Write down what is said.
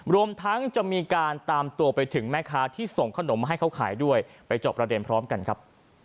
รวมทั้งจะมีการตามตัวไปถึงแม่ค้าที่ส่งขนมมาให้เขาขายด้วยไปเจาะประเด็นพร้อมกันครับ